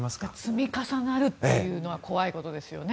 積み重なるというのは怖いことですよね。